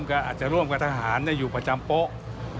ก็อาจจะร่วมกับทหารอยู่ประจำโป๊ะ